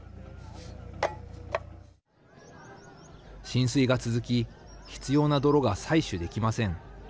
浸水が続き必要な泥が採取できません。